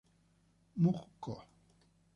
Moog Co.